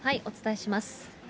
お伝えします。